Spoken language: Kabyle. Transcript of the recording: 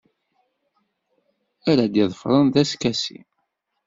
Ara d-iḍefren d askasi.